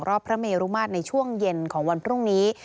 พระเมรุมาตรในช่วงเย็นของวันพรุ่งนี้